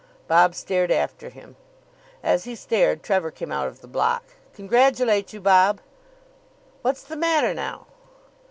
Bob stared after him. As he stared, Trevor came out of the block. "Congratulate you, Bob." "What's the matter now?"